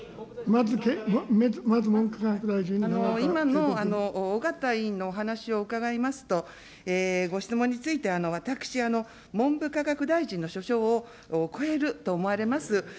まず文部科学大臣、今の緒方議員のお話を伺いますと、ご質問について、私、文部科学大臣の所掌を超えると思われます。